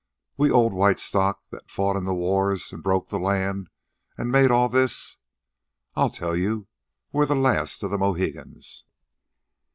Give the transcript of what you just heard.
we old white stock that fought in the wars, an' broke the land, an' made all this? I'll tell you. We're the last of the Mohegans."